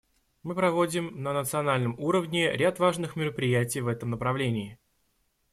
Мы проводим на национальном уровне ряд важных мероприятий в этом направлении.